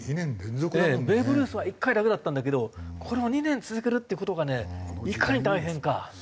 ベーブ・ルースは１回だけだったんだけどこれを２年続けるっていう事がねいかに大変かええ。